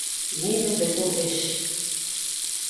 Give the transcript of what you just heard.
Ниҙер беҙҙең эш